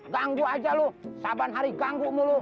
ganggu aja lu saban hari ganggu mulu